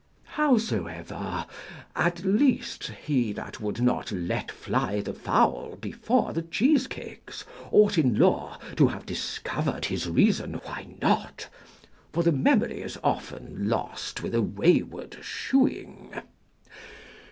Howsoever, at least, he that would not let fly the fowl before the cheesecakes ought in law to have discovered his reason why not, for the memory is often lost with a wayward shoeing.